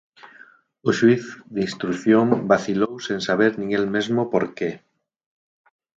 O xuíz de instrución vacilou sen saber nin el mesmo por que.